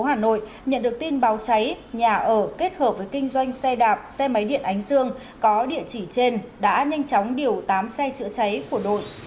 hà nội nhận được tin báo cháy nhà ở kết hợp với kinh doanh xe đạp xe máy điện ánh dương có địa chỉ trên đã nhanh chóng điều tám xe chữa cháy của đội